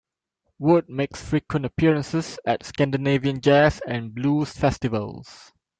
Wood makes frequent appearances at Scandinavian jazz and blues festivals.